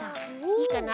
いいかな？